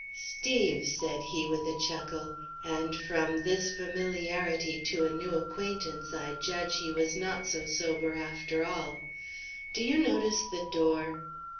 "Steve," said he, with a chuckle, and from this familiarity to a new acquaintance I judge he was not so sober after all, "do you notice the door?"